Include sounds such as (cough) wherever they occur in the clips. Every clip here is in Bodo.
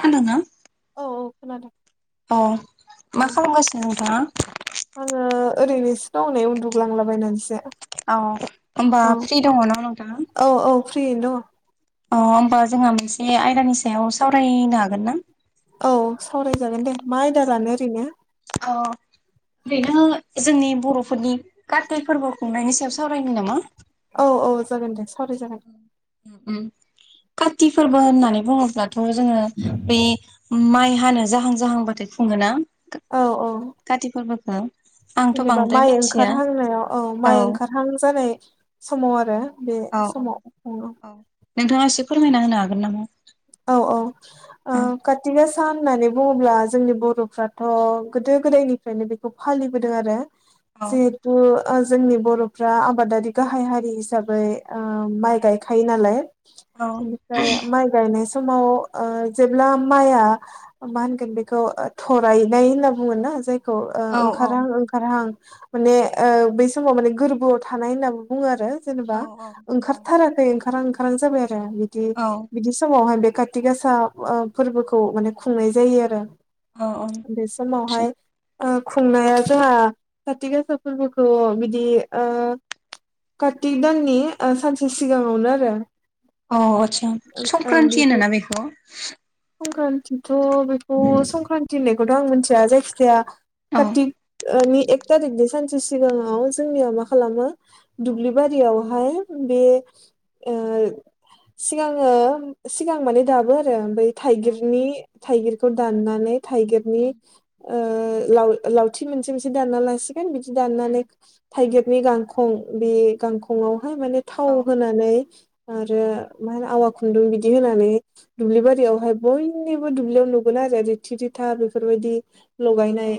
हेल' ना (unintelligible) औ औ खोनादों मा खालामगासिनो नोंथाङा आङो ओरैनोसो दं नै उन्दुगांलाबायनानैसो औ होनोमबा फ्रि दङ ना नोंथां औ औ फ्रियैनो दङ अ होमबा जोंहा मोनसे आयदानि सायाव सावरायनो हागोन ना औ सावरायजागोन दे मा आयदा लानो ओरैनो अ बेनो जोंनि बर'फोरनि कारथि फोरबो खुंनायनि सायाव सावरायनो नामा औ औ जागोन दे सावराय जागोन काति फोरबो होननानै बुङोब्लाथ' जोङो बै माइ हानो जाहां जाहांबाथाय खुङोना औ औ काति फोरबोखौ आंथ' जेनेबा बांद्राय माइ मिथिया ओंखारहांनायाव औ माइ ओंखारहां जानाय समाव आरो बे औ समावङो औ नोंथाङा एसे फोरमायना होनो हागोन नामा औ औ काथि गासा सान होननानै बुङोब्ला जोंनि बर'फ्राथ' गोदो गोदायनिफ्रायनो बेखौ फालिबोदों आरो औ जिहेथु जोंनि बर'फ्रा आबादारि गाहाय हारि हिसाबै माइ गायखायो नालाय औ बेनिफ्राय माइ गायनाय समाव जेब्ला माइआ मा होनगोन बेखौ थरायनाय होनना बुङो ना जाय खौ औ औ ओंखारहां ओंखारहां माने बै समाव माने गोरबोआव थानाय होनना बुङो आरो औ जेनेबा औ ओंखारथाराखै ओंखार ओंखारां जाबाय आरो बिदि औ बिदि समावहाय बे काथि गासा फोरबोखौ माने खुंनाय जायो आरो औ आतसा बे समावहाय खुंनाया जोंहा खाथि गासा फोरबोखौ बिदि कार्तिक दाननि सानसे सिगाङावनो आरो अ आतसा संक्रान्ति होनोना बेखौ संक्रान्तिथ' बेखौ संक्रान्ति होननायखौथ' आं मिथिया जायखिजाया औ कारतिकनि एक थारिकनि सानसे सिगाङाव जोंनिया मा खालामो दुब्लि बारियावहाय बे सिगाङो सिगां माने दाबो आरो ओमफ्राय उम थाइगिरनि थाइगिरखौ दाननानै थाइगिरनि उम ल लावथि मोनसे मोनसे दानना लासिगोन बिदि दाननानै उम थाइगिरनि गांखं बे गांखंआव माने औ थाव होनानै आरो मा होनो आवा खुन्दुं बिदि होनानै दुब्लि बारियावहाय बयनिबो दुब्लियाव नुगोन आरो रिथि रिथा बेफोरबायदि औ लगायनाय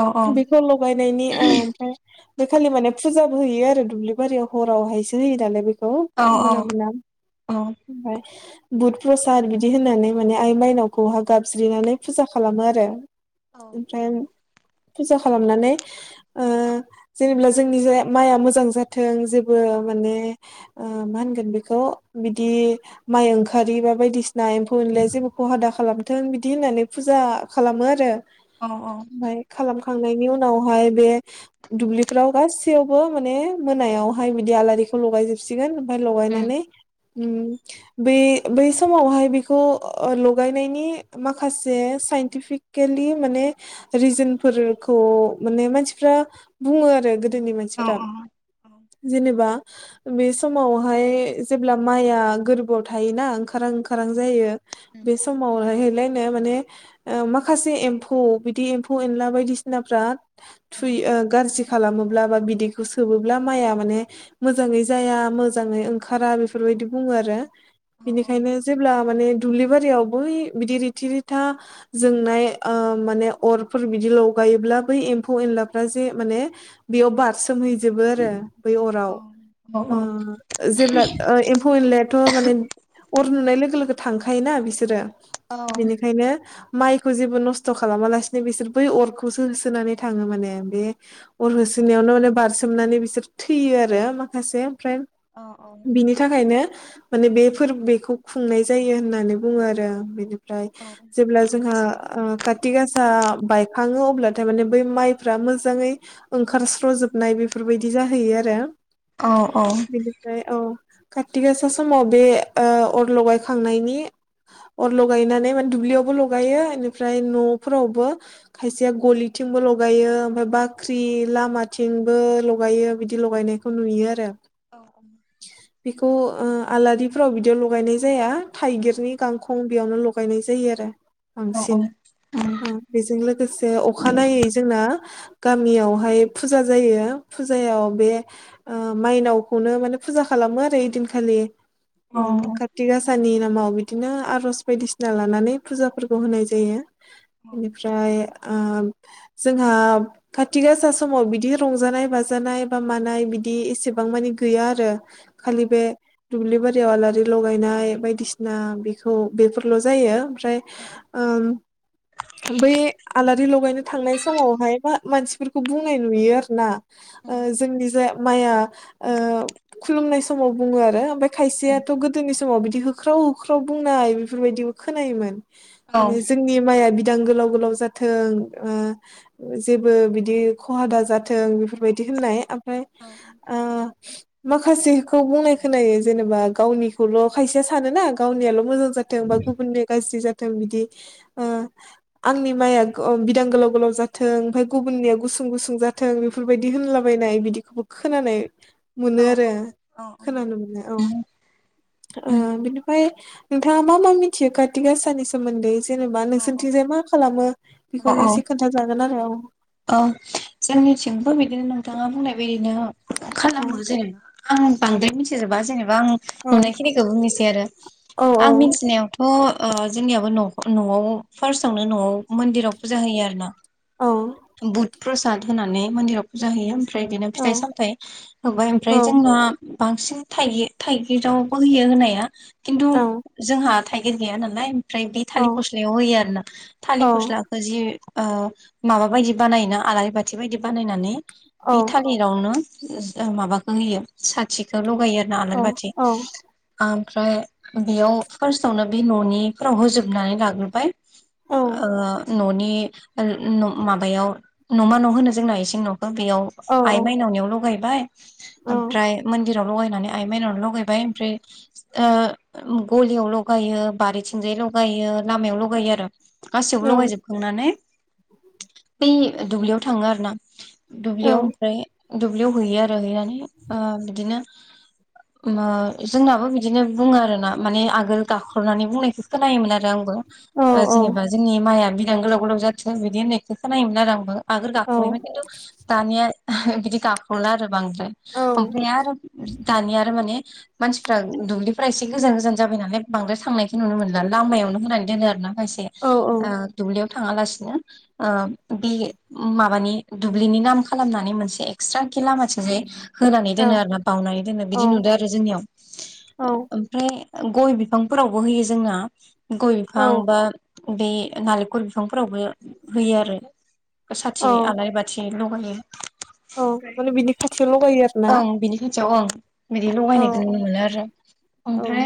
औ बेखौ लगायनायनि ओमफ्राय बे खालि माने फुजाबो होयो आरो दुब्लि बारियाव हरावहायसो होयो नालाय बे औ मोना औ मोना ओमफ्राय बुध प्रसाद बिदि होननानै माने आइ माइनावखौहा गाबज्रिनानै फुजा खालामो आरो औ ओमफ्राय फुजा खालामनानै जेनेबा जोंनि माइआ मोजां जाथों जे माने मा होनगोन बेखौ बिदि माय ओंखार खारि बा बायदिसिना एम्फौ एनलाया जेबोखौ खहा दा खालामथों बिदि होननानै फुजा खालामो आरो औ औ खांनायनि उनावहाय बे दुब्लिफ्राव गासैयावबो माने मोनायावहाय बिदि आलारि खौ लगाय जोबसिगोन ओमफ्राय उम लगायनानै ओम बै बै समावहाय बेखौ ओ लगायनायनि माखासे साइन्टिफिकेलि माने रिजोनफोरखौ माने मानसिफ्रा बुङो आरो गोदोनि औ मानसिफ्रा औ जेनेबा बे समावहाय जेब्ला माइया गोरबोयाव थायोना खारां खारां उम जायो उम बे समावहाय बेलायनो माने माखासे एमफौ बिदि एमफौ एनला बायदिसिनाफ्रा थुइ उम गाज्रि खालामो बा बिदैखौ सोबोब्ला माइया माने मोजाङै जाया मोजाङै ओंखारा बेफोरबायदि बुङो आरो उम औ बिनिखायनो जेब्ला माने दुब्लि बारियाव बै बिदि रिथि रिथा जोंनाय ओ माने अरफोर बिदिल' लायोब्ला बै एमफौ जिलाफोरा जे माने बेयाव बारसोमहैजोबो जोबो आरो बै अराव औ ओ जेब्ला एमफौ एनलायाथ' माने अर नुनाय लोगो लोगो थांखायोना बिसोरो औ बिनिखायनो माइखौ जेबो नसथ' खालामा लासिनो बिसोर बै अरखौसो होसोनानै थाङो माने बे अर होसो होसोयावनो माने बारसोमनानै बिसोर थैयो आरो माखासे बिनि थाखायनो माने बे फोर बेखौ खुंनाय जायो होननानै बुङो आरो बे ओमफ्राय जेब्ला जोंहा आ खाथि गासा बायखाङो अब्लाथायमाने बै माइफ्रा मोजाङै ओंखारस्रजोबनाय बेफोर बेबायदि जाहैयो आरो बेनिफ्राय औ कारतिक गासा समाव बे ओ अर लगायखांनायनि अर लगायनानै माने दुब्लियावबो लगायो बेनिफ्राय न'फोरावबो खायसेया ग'लि थिंबो लगायो ओमफ्राय बाख्रि लामाथिंबो लगायो बिदि लगायनायखौ नुयो आरो औ औ बेखौ ओ आलारि फ्राव बिदियाव लगायनाय जाया थाइगिरनि गांखं बेयावनो ल'गायनाय जायो आरो औ उम औ बांसिन बेजों लोगोसे जे अखानायै जोंना गामियावहाय फुजा जायो फुजायाव बे ओ माइनावखौनो माने फुजा खालामो आरो ओइदिनखालि ओम औ कार्तिक आसानि नामाव बिदिनो आर'ज बायदिसिना लानानै फुजाफोरखौ होनाय जायो बेनिफ्राय आ जोंहा खाथि गासा समाव बिदि रंजानाय बाजानाय बा मानाय बिदि दि एसेबां मानि गैया आरो खालि बे औ दुब्लि बारियाव आलारि लगायनाय बायदिसिना बेखौ बेफोरल' जायो ओमफ्राय औ उम बै आलारि रि लगायनो थांनाय समावहाय मा मानसिफोरखौ बुंनाय नुयो आरो ना ओ जोंनि जे माइया खुलुमनाय समाव बुङो आरो ओमफ्राय खायसेयाथ' गोदोनि समाव बिदि होख्राव होख्राव बुंनाय बेफोरबायदिबो खोनायोमोन माने जोंनि माइया बिदा दां गोलाव गोलाव जाथों आ जेबो बिदि ख'हा दा जाथों बेफोरबायदि होननाय ओमफ्राय औ औ ओ माखासेखौ बुंनाय खोनायो। जेनेबा गावनिखौल' खायसेया सानोना गावनियाल' मोजां जाथों बा गुबुननि गाज्रि जाथों बिदि आ आंनि माइया बिदां गोलाव गोलाव जाथों ओमफ्राय गुबुननिया गुसुं गुसुं जाथों। बेफोरबायदि होनलाबायनाय बिदिखौबो खोनानाय मोनो आरो औ खोनानो मोनो। औ ओ बिनिफ्राय नोंथाङा मा मा मिथियो कार्तिक आसानि सोमोनदै एसे जेनेबा औ नोंसोरनिथिंजाय मा खालामो औ बेखौनो औ एसे खोनथाजागोन आरो औ औ जोंनिथिंबो बिदिनो नोंथाङा बुंनाय बायदिनो औ खालामो जेनेबा आं बांद्राय मिथिजोबा जेनेबा बा औ आं नुनायखिनिखौ बुंनोसै आरो औ औ आं मिथिनायावथ' ओ जोंनियाबो नखर न'आव फार्स्टआवनो न'आव मोन्दिराव फुजा होयो आरोना। औ प्रसाद होनानै मोन्दिराव फुजा होयो ओमफ्राय बिनो औ फिथाइ सामथायाइ होबाय औ ओमफ्राय जोंना बांसिन थाइगि थाइगिरावबो होयो होनाया खिन्थु औ जोंहा थाइगिर गैया नालाय ओमफ्राय बे औ थालिर फस्लायाव होयो आरोना थालिर फस्लाखौ जि ओ माबा बायदि बानायोना आलारि बाथि बायदि बानायनानै औ बे थालिरावनो ओ माबाखौ होयो साथिखौ लगायो आरोना औ आलारि बाथि ओ ओमफ्राय बेयाव फार्स्टआवनो बे न'निफोराव होजोबनानै लाग्रोबाय औ ओ न'नि न ओ माबायाव न'मा न' होनो जोंना इसिं न' बेयाव आइ माइनावनियाव लगायबाय ओमफ्राय मोनदि राव लनानै आइ मायनावनो लायबाय ओमफ्राय ओ मो गलियाव लायो बारिथिंजाय। लगायो लामायाव लगायो आरो गासियावबो औ लगायजोबखांनानै। बै दुब्लियाव थाङो आरोना दुब्लियाव ओमफ्राय दुब्लियाव हैयो आरो। हैनानै ओ बिदिनो ओ जोंनाबो बिदिनो बुङो आरोना माने आगोल गाख्रनानै बुंनायखौ खोनायोमोन आरो आंबो। ओ जेनेबा जोंनि माइआ बिदां गोलाव गोलाव जाथो बिदि होननायखो खोनायोमोन आरो आंबो। आगोल गाख्लयोमोन खिन्थु दानिया बिदि गाख्ल'ला आरो बांद (inaudible) ओफ्राय आरो दानिया आरो माने मानसिफ्रा दुब्लिफ्रा एसे गोजान गोजान जाबाय नालाय बांद्राय थांनायखौ नुनो मोनला लामायाव नो होनानै दोनो आरो ना खायसे औ औ दुब्लियाव थाङा लासिनो। ओ बे माबानि दुब्लिनि नाम खालामनानै मोनसे एक्सट्रा खि लामाथिं जाय होनानै औ दोनो आरो ना बावनानै दोनो बिदि नुदो औ आरो जोंनियाव औ ओ ओमफ्राय गय बिफांफोरावबो होयो जोंना गय बिफां औ बा बे नालेंखर बिफांफोरावबो होयो आरो औ साथि आलारि बाथि लगायो। औ माने बिनि खाथियाव लगायो आरो ना। थियाव ओं बिदि औ लगायनायखौ नुनो मोनो आरो। औ ओमफ्राय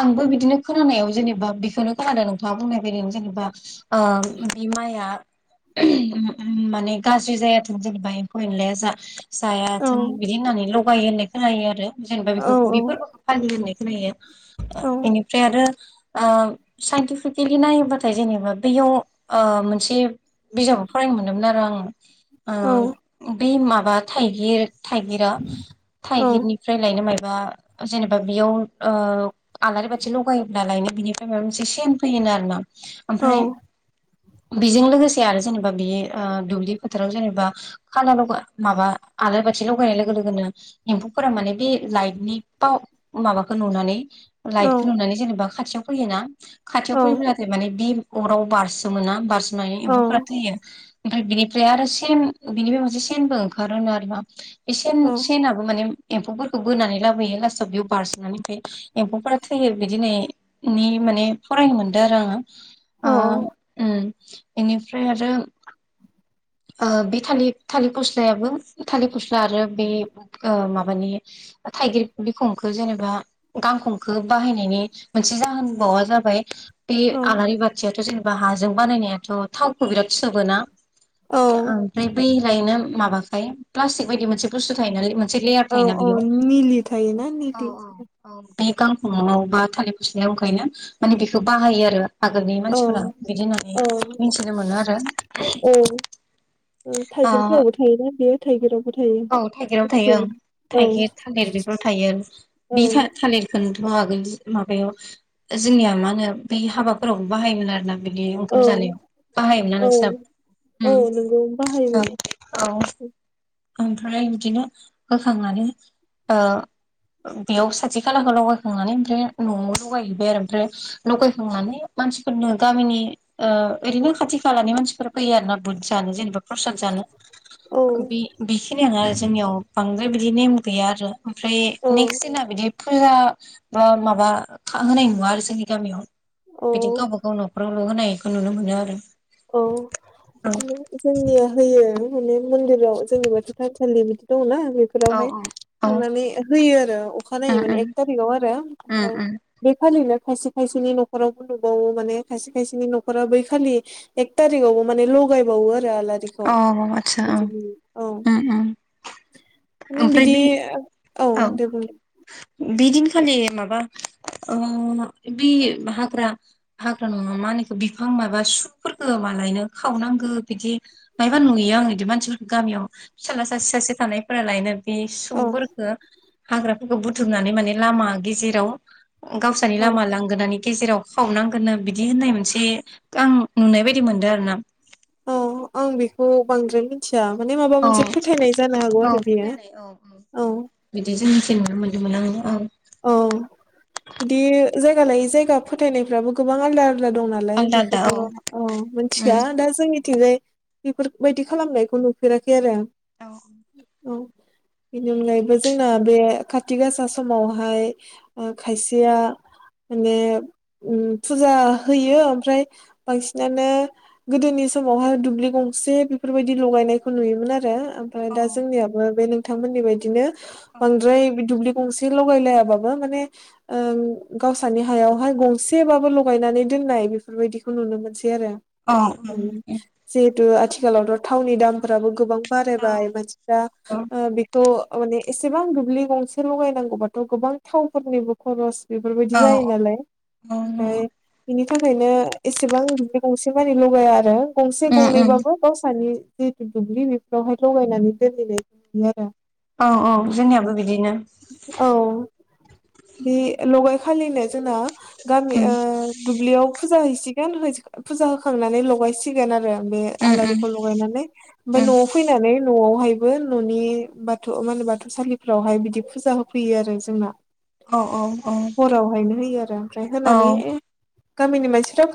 आंबो बिदिनो खोनानायाव जेनेबा बिखोनो खोनादों नोंथाङा बुंनाय बायदि जेनेबा ओ बि माया माने गाज्रि जायाथों जेनेबा एम्फौ एनलाया जा जायाथों बिदि होननानै लगायो होननानै खोनायो आरो जेनेबा औ बेखौ बे फोरबोखौ फालियो होननाय खोनायो। ओ औ बेनिफ्राय आरो ओ साइन्टिफिकेलि नायोबाथाय जेनेबा बैयाव मोनसे बिजाबाव फरायनो मोनदोंमोन आरो आं। ओ औ बे माबा थाइगिर थाइगिरा औ थाइगिरनिफ्राय लायनो माइ बा जेनेबा बेयाव ओ आलारि बाथि लगायोब्ला लायनो बिनिफ्राय माबा मोनसे सेन फैयोन आरो ना औ ओमफ्राय (inaudible) बेजों लोगोसे आरो जेनेबा बि ओ दुब्लि फोथाराव जेनेबा खानाल माबा आलारि बाथि थि लगायनाय लोगो लोगोनो एम्फौफोरा माने बि लाइटनि पाव माबाखौ नुनानै लाइटखौ औ नुनानै जेनेबा खाथियाव फैयोना औ खाथियाव फैयोब्लाथाय माने बि अराव बारसोमो ना बारसोमनानै एम्फौफ्रा थैयो। ओमफ्राय बिनिफ्राय आरोे सेन बिनिफ्राय मोनसे सेनबो ओंखारो होनो आरोना बे सेन सेनाबो माने एम्फौफोरखौ बोनानै लाबोयो लास्टआव बेयाव बारस'नानै फ्राय एम्फौफोरा थैयो बिदिनो माने फरायनो मोनदो आरो आङो ओ उम बेनिफ्राय आरो ओ बे थालि-थालिर फस्लायाबो थालिर फस्ला आरो बे ओ माबानि ओ थाइगिर बिखंखौ जेनेबा गांखंखो बाहायनायनि मोनसे जाहोनबावा जाबाय बे औ आलारि बाथियाथ' जेनेबा हाजों बानायनायाथ' थावखौ बिराद सोबोना ओमफ्राय बै लायनो माबाखाय प्लास्टिक बायदि मोनसे बुस्थु थायो नालाय मोनस मोनसे लेयार औ थायोना औ बेयाव निलि थायोना औ निलि औ औ बे गांखंआव बा थालिर फुसलिाव ओंखायनो माने बेखौ बाहायो आरो आगोलनि औ मानसिफोरा बिदि होननानै औ मिथिनो मोनो आरो औ ओ थाइगिरफोरावबो थायोना बेयो थाइगिरावबो औ थाइगिराव ओं थायो औ थाइगिर थालिर बेफोराव थायो औ बि था थालिरखौ थ हागोन माबायाव जोंनिया मा होनो बै हाबाफोरावबो बाहायोमोन आरोना बिदि ओंखाम औ जानायाव बाहायोमोनना औ नोंसनाबो औ ओम नोंगौ ओ बाहायोमोन औ ओमफ्राय बिदिनो होखांनानै ओ बेयाव साथि खालाखौ लगायखांनानै ओमफ्राय न'आव लगायहैबाय आरो ओमफ्राय लगायखांनानै मानसिफोरनो गामिनि ओ ओरैनो खाथि खालानि मानसिफोर फैयो आरोना बुद जानो जेनेबा प्रसाद जानो औ बेखिनियानो आरो जोंनियाव बां ओमफाय बिदि नेम गैया आरो ओमफ्राय औ नेक्स दिना बिदि फुजा बा माबा होनाय नुवा आरो जोंनि गामियाव औ बिदि गावबा गाव न'खराव ल'' होनायखौ नुनो मोनो आरो औ जोंनिया होयो माने मन्दिराव जोंनि बाथौथानसालि बिदि दं ना औ बेफोरावहाय औ खांनानै होयो आरो उम अखानायनायै माने उम एक तारिकाव आरो उम ओमफाय उम बेखालिनो खायसे खायसेनि न'खरावबो नुबावो माने खायसे खायसेनि न'खरा बै खालि एक तारिगावबो माने लगायबावो आरो आलारिखौ औ आतसा औ बिदि औ उम उम ओमफ्राय बिदि बे औ दे बुं बिदिनखालि माबा ओ बि हाग्रा हाग्रा नङा मा होनो इखो बिफां माबा सुफोरखौ मालायनो खावनांगो बिदि मायबा नुयो आं इदि मानसिफोरखौ गामियाव फिसाला सासे सासे थानाय फोरालायनो बे औ सुफोरखौ हाग्राफोरखौ बुथुमनानै माने लामा गेजेराव गावसोरनि औ लामा लांगोनानि गेजेराव खावनांगोननो बिदि होननाय मोनसे आं नुनाय बायदि मोनदों आरो ना अ आं बेखौ बांद्राय मिथि या माने माबा औ मोनसे फोथायनाय जानो हागौ औ आरो बियो फोथायनाय औ औ बिदि (unintelligible) नुनो मोनदोंमोन आं औ बिदि जायगा लायै जायगा फोथायनायफ्राबो गोबां आलदा दं नालाय आलदा आलदा बेखौथ' औ ओ मोनथिया उम दा जोंनि थिंजाय बेफोरबायदि खालामनायखौ नुफेराखै आरो आं औ औ बेनि अनगायैबो जोंना बे खाथि गासा समाव हाय खायसेया माने ओम फुजा होयो ओमफ्राय बांसिनानो गोदोनि समावहाय दुब्लि गंसे बेफोरबायदि लगायनायखौ नुयोमोन आरो ओमफ्राय दा जोंनियाबो बे नोंथांमोननि बायदिनो बांद्राय दुब्लि गंसे लगाय लायाबाबो माने ओ गावसानि हायावहाय गंसेबाबो लगायनानै दोननाय बेफोरबायदिखौ नुनो मोनसै आरो औ औ खिन्थु आथिखालावथ' थावनि दामफोराबो गोबां बारायबाय औ मानसिफ्रा औ ओ बेखौ माने एसेबां दुब्लि गंसे लगायनांगौबाथ' गोबां थावफोरनिबो खरस बेफोरबायदि जायो औ नालाय औ नंगौ ओमफ्राय बेनि थाखायनो एसेबां बि गंसे मानि लगाया आरो गंसे उम उम गंनैबाबो गावसानि जिहेथु दुब्लि बेफोरावहाय लगायनानै दोनहैनायखौ नुयो आरो औ औ जोंनियाबो बिदिनो औ बे लगाय खालिनो जोंना गामि ओ दुब्लियाव फुजा हैसिगोन फुजा होखांनानै लगायसिगोन आरो बे उम उम आलारिखौ लगायनानै ओमफ्राय उम न'आव फैनानै न'आवहाय न'नि बाथौ मा होनो बाथौ सालिफोरावहाय बिदि फुजा होफैयो आरो जोंना औ औ औ हरावहायनो होयो आरो ओमफ्राय होनानै औ गामिनि मानसिफ्रा